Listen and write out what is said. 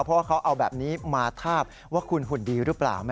เพราะว่าเขาเอาแบบนี้มาทาบว่าคุณหุ่นดีหรือเปล่า